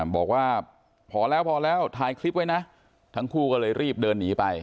บอกว่าพอแล้วพอแล้วถ่ายคลิปไว้นะทั้งคู่ก็เลยรีบเดินหนีไป